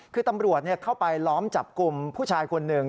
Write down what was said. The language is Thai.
คือตำรวจเข้าไปล้อมจับกลุ่มผู้ชายคนหนึ่ง